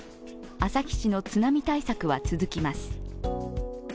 旭市の津波対策は続きます。